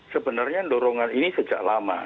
sebenarnya dorongan ini sejak lama